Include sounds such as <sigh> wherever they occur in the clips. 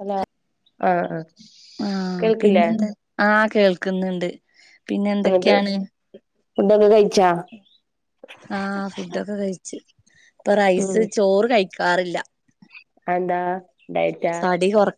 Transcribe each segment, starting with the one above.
Hello ആഹ് ആഹ് ആ കേൾക്കില്ലേ പിന്നെന്ത ആ കേൾക്ക്‌ന്ന്ണ്ട് പിന്നെ എന്നിട്ട് എന്തൊക്കെയാണ് ഫുഡൊക്കെ കഴിച്ചാ ആ ഫുഡൊക്കെ കഴിച്ച്. ഇപ്പൊ റൈസ് ചോറ് കയി കാറില്ല അ എന്താ ഡയറ്റാ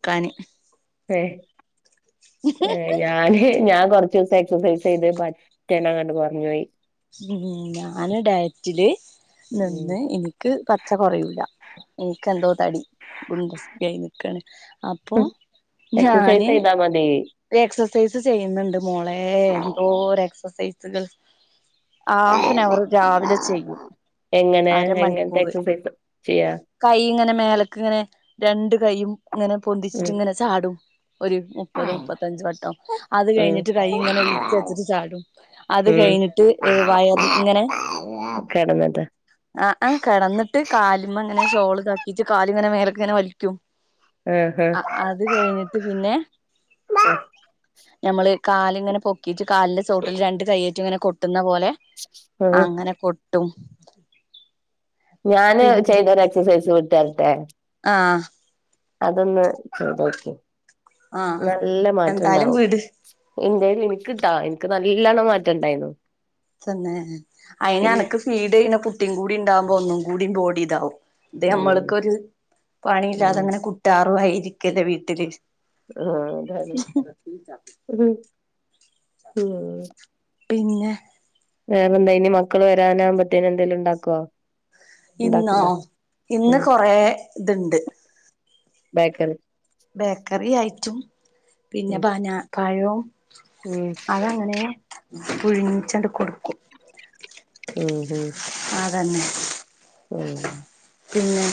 ക്കാന് എ ഏ ഞാന് ഞാൻ കൊറ കൊർച്ചുസം എക്സസൈസ് ചെയ്ത് പറ്റങ്ങട്ട് കൊറഞ്ഞു പോയി ഉം ഞാന് ഡയറ്റില് ഉം നിന്ന് ഇന്ക്ക് പറ്റ കൊറിയൂല ഇന്ക്കെൻന്തോ തടി ഗുണ്ടസ് പ്പായി നിക്കാണ് അപ്പൊ എക്സസൈസ് ഞാന് ചെയ്താ മതി ഒര് എക്സസൈസ് ചെയ്യ്ന്ന്ണ്ട് മോളെ എന്തോര് എക്സസൈസ് <unintelligible> ഹാഫാനവർ രാവിലെ ചെയ്യും എങ്ങനെ എങ്ങനത്തെ അരമണിക്കൂറ് എക്സസൈസ് ചെയ്യാ കൈ ഇങ്ങനെ മേലക്ക്‌ങ്ങനെ രണ്ട് കയ്യും ഇങ്ങനെ പൊന്തിച്ചിട്ട് ഉം ഇങ്ങനെ ചാടും ഒര് മുപ്പതും മുപ്പത്തഞ്ച് വട്ടം അത് ഉം കഴിഞ്ഞിട്ട് കൈ ഇങ്ങനെ വീച്ച വെച്ചിട്ട് ചാടും അത് ഉം കഴിഞ്ഞിട്ട് വയർ ഇങ്ങനെ കെടന്നിട്ട് ആ കിടന്നിട്ട് കാല് മങ്ങനെ ഷോള് കാക്കിട്ട് കാല്ങ്ങനെ മേലക്ക് ഇങ്ങനെ വലിക്കും ആഹ് ആ അത് കഴിഞ്ഞിട്ട് പിന്നെ ആ നമ്മള് കാല്ഇങ്ങനെ പോ ക്കീട്ട് കാലിന്റെ സോട്ടിൽ രണ്ട് കയ്യറ്റ് ങ്ങനെ കൊ ട്ടുന്നപോലെ ആഹ് അങ്ങനെ കൊട്ടും അ ഞാന് ചെയ്തൊരു എക്സസൈസ് വിട്ടാ രാ ആ അതൊന്ന് ചെയ്തോക്കി ആഹ് നല്ല എന്തായാലും മാറ്റംണ്ടാവും വിട് ന്റെല് ഇൻക്ക് ട്ടോ ൻക്ക് നല്ലണ്ണം മാറ്റണ്ടായിന്നു തന്നെ അയിന് അനക്ക് ഫീഡ് ചെയ്യ്ണ കു ട്ടി കൂടി ഉണ്ടാവുമ്പോ ഒന്നും കൂടി ബോഡി ഇതാവും ഇത് ഉം നമ്മൾക്കൊരു ഉം പണിയില്ലാതെ അങ്ങനെ കുട്ടാ വായിരിക്കല്ലേ വീട്ടില് ആ അതന്നെ ഉം പിന്നെ വേറെ എന്താ ഇനി മക്കൾ വരാനാകുമ്പോത്തേനന് എന്തേലും ഉണ്ടാക്കുവോ ഇന്നോ ഇന്ന് കൊറ ഇത്ണ്ട് ബൈക്ക ബേക്കറി ആയിറ്റും ഉം പിന്നെന പഴവും ഉം അതങ്ങനെ പുഴച്ചണ്ട് കൊടുക്കും ആ ഹ തന്നെ ആഹ്. പിന്നെ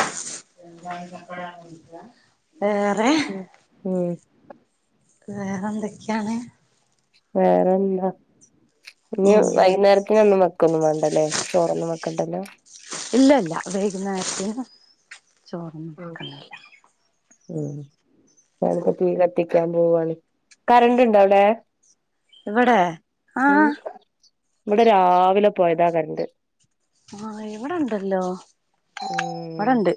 എന്ത കപ്പട വേറെ ഉം ഉം വേറെന്തൊക്കെയാണ്. വേറെന്താ. ഇനി ഉം വൈന്നേരത്തിന് ഒന്നും മെക്കൊന്നും വേണ്ടല്ലേ ചോറൊന്നുംവെ ഒണ്ടല്ലോ. ഇല്ല ഇല്ല വേകുന്നേരത്തീ ഉം ചോർമക്കല്ല. ഉം എക്ക് തീ കത്തി ക്കാൻ പോവാണ് കറണ്ടുണ്ടോ അവിടെ? ഇവടെ ഉം ആഹ്. ഇവിടെ രാവിലെ പോയതാ കരുന്ത്. ആഹ് ഇവിടണ്ടല്ലോ ഇവിടെണ്ട്.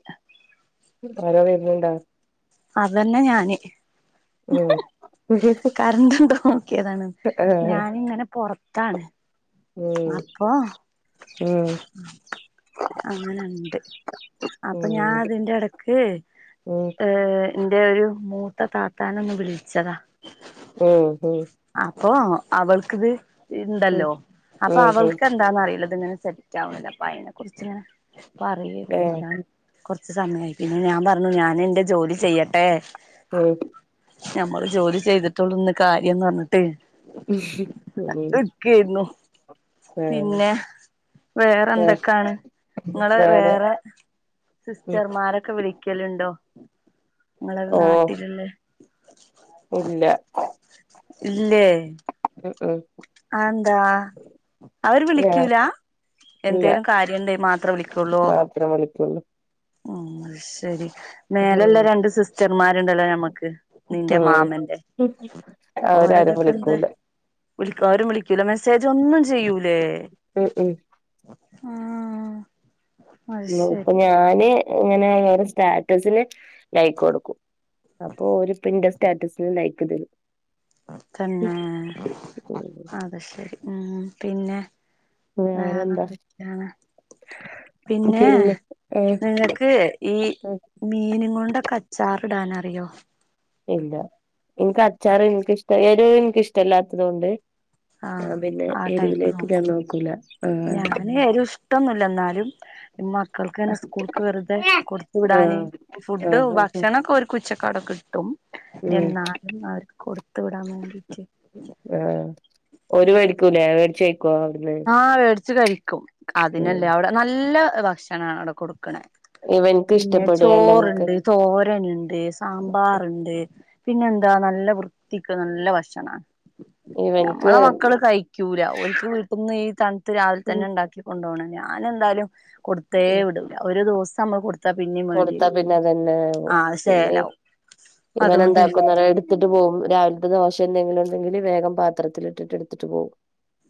മയ വരുന്നുണ്ടാ. അതന്നെ ഞാന് ഉം കരണ്ട് ണ്ടോക്കിയതാണ് ആഹ് ഞാനിങ്ങനെ പൊറത്താണ്. ഉം അപ്പൊ ഉം. അങ്ങനണ്ട് അപ്പൊ ഞാൻ ഉം അതിന്റെട ഈഹ് ഉം ആഹ്. എന്റെ ഒരു മൂത്ത താത്താനൊന്ന് വിളിച്ചതാ. മ്മ്. മ്മ്. അപ്പൊ അവൾക്കിത് ഉം ഇണ്ടല്ലോ അപ്പൊ ഉം ഉം അവൾക്ക് എന്താന്നറിയില്ല ങ്ങനെ സെറ്റാവണ്ല അപ്പ അതിനെ കുറിച്ച്ങ്ങനെ പറയായിരുന്നു ഏഹ് അതാണ് കുറച്ചു സമയായി പിന്നെ ഞാൻ പറഞ്ഞു ഞാന് എന്റെ ജോലി ചെയ്യട്ടെ. എ ഞമ്മള് ജോലി ചെയ്തിട്ടുള്ളന്ന് കാര്യംന്ന് പറഞ്ഞു. ഉം ട്ട് <unintelligible> ആഹ് പിന്നെ വേറെ വേ എന്തൊക്കാണ് ഇങ്ങള് വേറെ ഉം സിസ്റ്റർമാരൊക്കെ വിളി ക്കെലുണ്ടോ ങ്ങള് ഓ നാട്ടിലുള്ളേ ഇല്ല ഇല്ലേ ഉം ഉം അത് എന്താ അവര് വേ വിളിക്കൂലാ ഇല്ല എന്തേലും കാര്യണ്ടേ മാത്ര വിളിക്കുള്ളൂ വിളിക്കുള്ളു ഉം ശരി മേലെ ഉം ഉള്ള രണ്ട് സിസ്റ്റർമാരുണ്ടല്ലോ ഞമ്മക്ക് നിന്റെ മാമന്റെ ഉം അവരാരും ഓരതൊക്കെ എന്തേ വിളിക്കൂല വിളിക്കും അവരും വിളിക്കൂലേ മെസേ ചേച്ചി ഒന്നും ചെയ്യൂലേ ഉം ഉം ആ ഉം ഇപ്പൊ ഞാന് എങ്ങനെനായാലും സ്റ്റാറ്റസില് ലൈക്ക് കൊടുക്കും അപ്പൊ ഒരു പ്രിന്റ് സ്റ്റാറ്റസിന് ലൈക്ക് തരും തന്നെ അത് ശരി ഉം പിന്നെ വേറെന്താ വേറെന്തൊക്കെയാണ് പിന്നെ നിങ്ങക്ക് ഈ ഉം മീനും കൊണ്ടൊക്കെ അച്ചാറ് ഇടാനറിയോ ഇല്ല എനിക്ക് അച്ചാറ് എനിക്കിഷ്ട ഏത് എനിക്കിഷ്ടല്ലാത്തത് കൊണ്ട് ആഹ് ഞാൻ പിന്നെ ആ ടൈപ്പ് എരുവിലേക്ക് ഞാൻ നോക്കും നോക്കൂല ആഹ് ഞാന് എരിവ് ഇഷ്ട്ടൊന്നുമില്ല ന്നാലും അ <inaudible> മക്കൾക്ക് തന്നെ സ്കൂൾക്ക് വെറുതെ കൊടുത്തു വിടാന് ആഹ് ഫുഡ് ആഹ് ആഹ് ഭക്ഷണൊക്കെ ഒരു കുച്ച് അവിടെ കിട്ടും ഉം എന്നാലും അവർക്ക്‌ കൊടുത്ത് വിടാൻ വേണ്ടീട്ട് ആഹ് ക്കോ അവ്ട്ന്ന് ച്ച് കഴി ക്കും അതിനല്ലേ അവിടെ നല്ല <unintelligible> ഭക്ഷണാണ് അവിടെ കൊടുക്ക്ണെ ഇവൻക്ക് പിന്നെ ഇഷ്ടപ്പെടുകേല്ല ഇവൻക്ക് ചോറ്ണ്ട് തോരനുണ്ട് സാമ്പാറുണ്ട് പിന്നെ എന്താ നല്ല വൃത്തിക്ക് നല്ല ഭക്ഷണാ ഇവൻക്ക് നമ്മളെ മക്കള് കഴിക്കൂല ഓൽക്ക് വി <unintelligible> ഈ തൺത്ത് ഉം രാവിൽതന്നെ ഇണ്ടാക്കി കൊണ്ടോണത്. ഞാനെന്തായാലും കൊടുത്തേ ഉം വിടൂല ഒരു ദിവസ് സം നമ്മൾ കൊട് കൊടുത്താ പിന്നെ അതന്നെ അത് പിന്നെ ശേലാവും അതുകൊണ്ട് ഇവനന്താക്കുന്നറിയോ എടുത്തിട്ട് പോവും രാവിലത്തെ ദോശ ത്തെ എന്തെങ്കിലുണ്ടെങ്കില് വേഗം പാത്രത്തിലിട്ട് എടുത്തിട്ട് പോവും.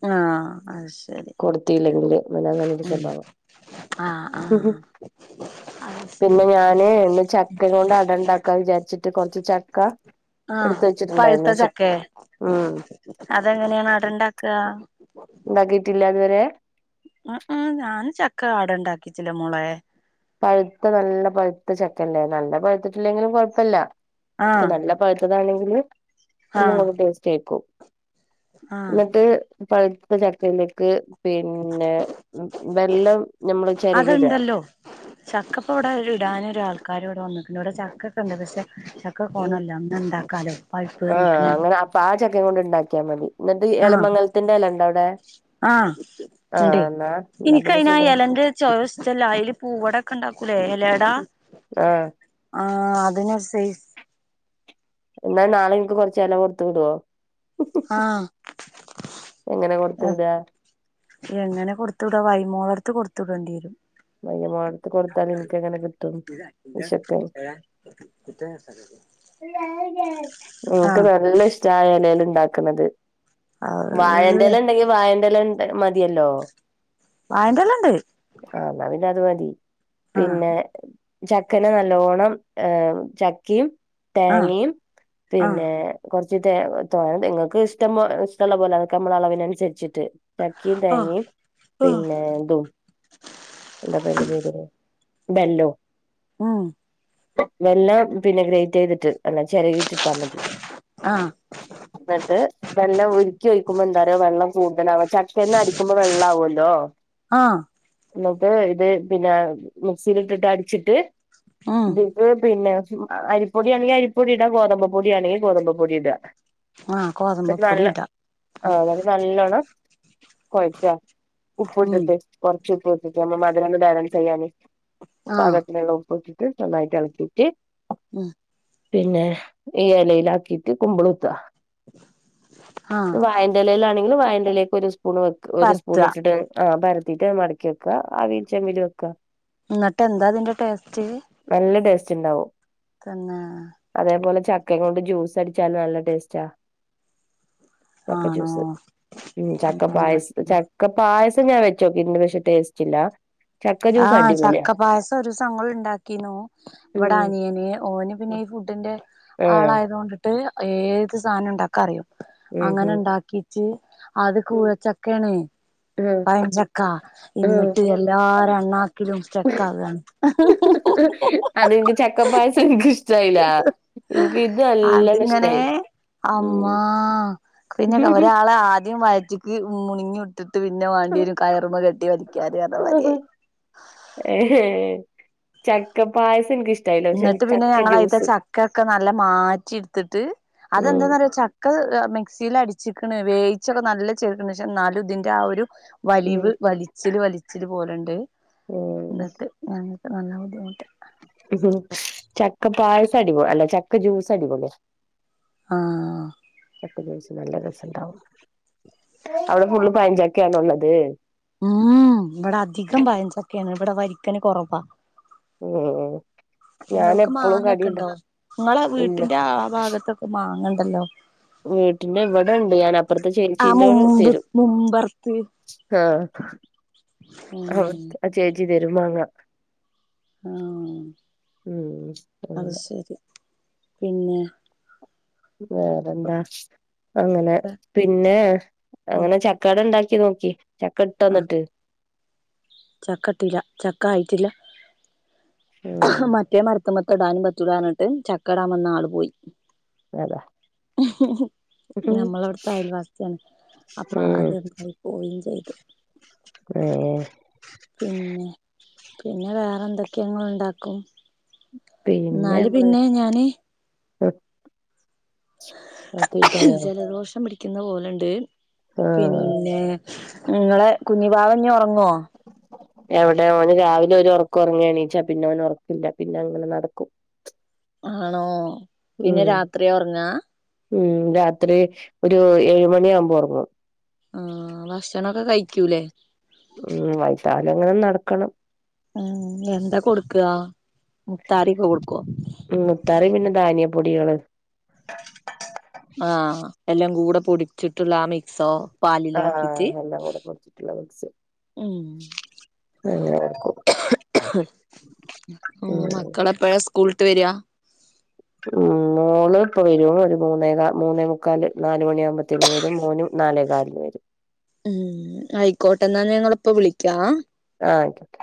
ആഹ് അത് ശരി. അവന് അങ്ങനൊരു ഉം സ്വഭാവാ ആഹ് ഉഹും ആഹ് അത് ശരി പിന്നെ ഞാന് ഇന്ന് ചക്കനോട് അട ഇണ്ടാക്കാ വിചാരിച്ചിട്ട് കൊറച്ച് ചക്ക ആഹ് എടുത്ത് പഴുത്ത വെച്ചിട്ടുണ്ടായിരുന്നു. പക്ഷേ ചക്കേ ഉം അതെങ്ങനെയാണ് അടണ്ടാക്കാ ഇണ്ടാക്കിട്ടില്ല ഇതുവരെ? അ ആ ഞാനും ചക്ക അടണ്ടാക്കിച്ചില്ല മോളെ. പഴുത്ത നല്ല പഴുത്ത ചക്കല്ലേ നല്ല പഴുത്തിട്ടില്ലെങ്കിലും കൊഴപ്പല്ല. ട്ട് ആഹ് നല്ല പഴത്തതാണെങ്കില് ആഹ് <unintelligible> ടേസ്റ്റേക്കു. ആഹ് ഇങ്ങട്ട് പഴുത്ത ചക്കയിലേക്ക് പിന്നെ ഉം ബെല്ലം ഞമ്മള് ചെരകി ഇടാ അതുണ്ടല്ലോ ചക്ക ഇപ്പം വടെ ഇടാനൊരു ആൾക്കാര് ഇവിടെ വന്നിട്ടുണ്ട് ഇവിടെ ചക്കക്കെ ഇണ്ട് പക്ഷെ ചക്ക ഉം കൊണല്ല ന്നാ ഇണ്ടാക്കാല്ലോ പഴ്പ്പ് ഏറിക്ക്ണ് ക്കാ മതി എന്നിട്ട് ആഹ് എലമംഗലത്തിന്റെ എല ഉണ്ടോ അവിടെ ആഹ് ഇണ്ട് ആഹ് എന്നാ എന്നാ പിന്നെ ഇൻക്കയിനാ സുഖായി എലന്റെ ചൊവ ഇഷ്ട്ടല്ല അയില് പൂവടൊക്കെ ഇണ്ടാക്കൂലേ എലടാ ആഹ് ആഹ് ആഹ് അതിനൊരു സൈസ് എന്നാ നാളെ ഇൻക്ക് കൊറച്ച് എല കൊറത്തു വിടോ ആഹ എങ്ങനെ കൊടുത്ത് വിടാ എങ്ങനെ കൊടുത്ത് വിടാ വൈമോള ത്ത് കൊടുത്ത് വിടേണ്ടി രും മയ്യ മോളടുത്ത് കൊടുത്താൽ നിങ്ങക്ക്ങ്ങനെ കിട്ടും വിശകയ് ഓക്ക് ആഹ് നല്ല ഇഷ്ടാ ആ എലെല് ഇണ്ടാ ക്ക്ണത് അഹ് വഴന്റെല ഇണ്ടെങ്കില് വഴന്റെല മതിയല്ലോ വായന്റെലണ്ട് ആ ന്നാ പിന്റെ അത് മതി ആഹ് പിന്നെ ചക്കന നല്ലോണം ഏ ചക്കയും ആഹ് തേങ്ങയും ആഹ് പിന്നെ കുറച്ച് തെ തോ നിങ്ങൾക്ക് ഇഷ്ട ഇഷ്ടള്ള പോലെനമ്മളളവിനുരിച്ചിട്ട് ചക്കിയും ആഹ് തേങ്ങയും ആഹ് പിന്നെ ദും- എന്തപ്പാ അയിന്റ പേര് ബെല്ലോ ആഹ വെല്ലാം പിന്നെ ഗ്രേറ്റ് ചെയ്തിട്ട് അല്ല ചിരകിട്ടിട്ടാ മതി ആഹ് എന്നിട്ട് വെള്ളം ഉരിക്കി ഒഴിക്കുമ്പോ എന്താറിയോ വെള്ളം കൂടുതലാവാ ചക്കന്ന അടരിക്കുമ്പോ വെള്ള ആവുമല്ലോ ആഹ് എന്നിട്ട് ഇത് പിന്നെ മിക്സിലിട്ടിട്ട് അടിച്ചിട്ട് ഉം ഇത് പോ പിന്നെ അരിപ്പൊടി ആണെങ്കിൽ അരിപ്പൊടി ഇടാ ഗോതബ് പൊടിയാണെങ്കിൽ ഗോതമ്പൊടി ഇടാ ആഹ് ഗോതമ്പപ്പൊടി നല്ല ഇടാ ആഹ് നല്ലോണം കുഴക്ക ഉപ്പ് ഉം ഇട്ടിട്ട് ച്ചി ഉപ്പ് ഇട്ടേട്ട് അതാകുമ്പോൾ മധുരം ബാലൻസ് ചെയ്യാനെ ആഹ് പാകത്തിനുള്ള ഉപ്പ് ഇട്ടിട്ട് നല്ലയിട്ട് ഇളക്കിട്ട് ഉം പിന്നെ ഈ ഇലയിലാക്കിയിട്ട് കുംബാള് കുത്താ ആഹ് വായന്റെലയിലാണ് വായന്റെ ഇലക്ക്‌ ഒരു സ്പുൺ സ്പൂൺ വെക്ക് ഒരു പരത്ത സ്പൂൺ ഇട്ടിട്ട് ആഹ് പാര - എന്നിട്ട് മടക്കി വെക്കാ അവീൽ ചേമ്മല് വെക്ക എന്നിട്ട് എന്താ അതിന്റെ ടേസ്റ്റ് വിണ്ടാവും തന്നാ ചക്കയും കൊണ്ട് ജ്യൂസ് അടിച്ചാല് നല്ല ടേസ്റ്റാ ചക്ക ആണോ ജ്യൂസ് ഉം ചക്ക പായസ്‌ ചക്ക പായസ്‌ പ്പഞാ വെ ച്ച് നോക്കിഇണ്ട് പക്ഷെ ടേസ്റ്റ് ഇല്ല ചക്ക ആ ജ്യൂസ് അടിപൊളിയാ ചക്കപായസം ഒരു ദിവസം ഞങ്ങള് എണ്ടാക്കിനു ഇവിടെ ഉം അനിയന് ഓന് പിന്നെ ഈ ഫുഡിന്റെ ആഹ് ആളായതുകൊണ്ടിട്ട് <unintelligible> ഏത് സാധനം ഉണ്ടാക്കാ അറിയും ഉം അങ്ങനെ എണ്ടാക്കീച്ച് അത് ഉം കൂഴച്ചക്കയേണ് ആഹ് പയഞ് ചെക്കാ ആഹ് എന്നിട്ട് എല്ലാരേം അണ്ണാക്കിലും സ്റ്റക്ക് ആകാണ് അതെനിക്ക് ചക്കപ്പായസം എനിക്ക് ഇഷ്ടായില്ല എനിക്ക് ഇത് നല്ലോണം അതിങ്ങനേ ഇഷ്ടായി ഉം അമ്മാ പിന്നെക്കെ ഒരാളെ ആദ്യം വ <unintelligible> മുണുങ്ങി ഒട്ട് ഇട്ട് പിന്നെ വണ്ടിയില് കയറുമെ കെട്ടി വലിക്കാര് പർണമാരി ആയി ഏഹ് ചക്ക പായസം എന്ക്ക് ഇഷ് എനിക്കിഷ്ടായില്ല പക്ഷെ എന്നിട്ട് പിന്നെ ഞങ്ങളതിത്തെ ചക്കക്കെ നല്ല മാറ്റി എടുത്തിട്ട് ഉം അതെന്താന്നറിയ ച ക്ക മിക്സിയിൽ അടിച്ചിക്കണ് വേവിച്ചൊക്കെ നല്ല ചേർക്കണ് ക്ഷെ എന്നാലും ഇതിന്റെ ആ ഒരു വലിവ് വലിച്ചില് വലിച്ചില് പോലെണ്ട് <unintelligible> ഓ നല്ല ബുദ്ധിമുട്ട് ചക്ക പായസടിപൊ അല്ല ചക്ക ജ്യുസടിപൊളിയാ ആ ജ്യൂസ് നല്ല രസം ഇണ്ടാവും അവിടെ ഫുള്ള് പയഞ്ചക്കെയാണ് ഒള്ളത് ഉം ഇവിടെ അധികം പയൻച്ചക്കെയാണ് ഇവിടെ വരിക്കന് കൊറവാ ഉം ഞാൻ നിങ്ങൾക്ക് എപ്പളും മാങ്ങ കടി എക്കെ എണ്ടോ ഉണ്ടാക്കും നിങ്ങളെ ഇല്ല വീട്ടിന്റെ ആ ഭാഗത്തൊക്കെ മാങ്ങണ്ട് ഹലോ വീട്ടിന്റെ ഇവിടെ എണ്ട് ഞാൻ അപ്പുറത്തെ ആ ചേച്ചീന്റോട് മുമ്പ് തരും മുമ്പർത്ത് ആ ഉം ആ <unintelligible> അചേച്ചി വെരുമാങ്ങ ആ അത് അങ്ങനെ ശരി പിന്നെ വേറെന്താ അങ്ങനെ പിന്നെ ഉം അങ്ങനെ ചക്കാട എണ്ടാക്കി ക്കി നോക്കി ചക്ക ഇട്ടോ ആ എന്നിട്ട് ചക്ക ഇട്ടില്ല ചക്ക ആയിട്ടില്ല ഉം മറ്റേ മർ മർത്ത്മത്തെ ഇടാനും പറ്റൂലാ പറഞിട്ട് ചക്ക ഇടാൻ വന്ന ആൾ പോയി അതാ ഉം നമ്മളവിടുത്തെ അയൽവാസിയാണ് അപ്പൊ അത് പോയിം ചെയ്ത് ഏ ഏ പിന്നെ പിന്നെ വേറെ എന്തൊക്കെയെ ഇങ്ങളുണ്ടാക്കും ഇന്നാല് പിന്നെ ഞാന് ഏഹ് ജലദോഷം പിടി ക്കുന്ന പോലെണ്ട് ആഹ് പിന്നേ നിങ്ങളെ കുഞ്ഞിവാവ ഇനി ഉറങ്ങോ? എവിടെ ഓന് രാവിലെ ഒരു ഒറക്കം ഒറങ്ങി എണീച്ചാ പിന്നെ ഓന് ഒറക്കില്ല പിന്നെ അങ്ങനെ നടക്കും ആണോ? പിന്നെ ഉം രാത്രി ഒറങ്ങാ? ഉം രാത്രി ഒരു ഏഴ് മണിയാമ്പോ ഒറങ്ങും. ആഹ് ഭക്ഷണൊക്ക കഴിക്കൂലേ? ഉം വൈതാലങ്ങനെ നടക്കണം. ഉം എന്താ കൊട്ക്കാ മുത്താറിക്ക കൊടു ഉം മുത്താറീം പിന്നെ ധാന്യം. പൊടികള് ആ എല്ലാം കൂടെ പൊടിച്ചിട്ടുള്ള ആ മിക്സോ? പാലിലാക്കിട്ട് ആഹ് എല്ലാം കൂടെ പൊടിച്ചിട്ടുള്ള മിക്സ് ഉം അങ്ങനെ കൊടുക്കും ആഹ് ഉം മക്കളെപ്പഴാ സ്കൂൾ ട്ട് വരാ? ഉം മോള് ഇപ്പ വരും ഒരു മൂന്നേ കാ മൂന്നേ മുക്കാല് നാല് മണിയാമ്പത്തേനും വരും. മോനും നാലേ കാലിന് വരും. ഉം ആയിക്കോട്ടെ. ന്നാ ഞാൻ ങ്ങളെ പ്പൊ വിളിക്കാ. ആഹ് ആയിക്കോട്ടെ.